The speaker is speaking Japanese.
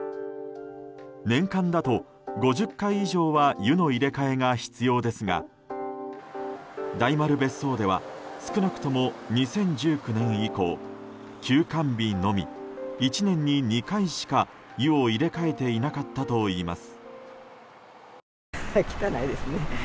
年間だと５０回以上は湯の入れ替えが必要ですが大丸別荘では少なくとも２０１９年以降休館日のみ、１年に２回しか湯を入れ替えていなかったといいます。